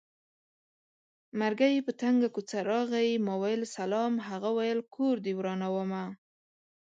مرګی په تنګه کوڅه راغی ما وېل سلام هغه وېل کور دې ورانومه